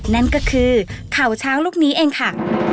นั่นก็คือเข่าช้างลูกนี้เองค่ะ